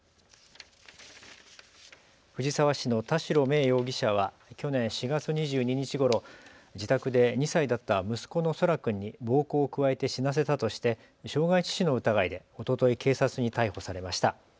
藤沢市の田代芽衣容疑者は去年４月２２日ごろ自宅で２歳だった息子の空来君に暴行を加えて死なせたとして傷害致死の疑いでおととい警察に逮捕されました。